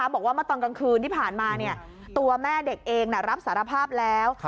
บอกว่าเมื่อตอนกลางคืนที่ผ่านมาตัวแม่เด็กเองรับสารภาพแล้ว